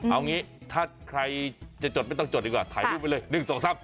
เอางี้ถ้าใครจะจดไม่ต้องจดดีกว่าถ่ายรูปไปเลย๑๒๓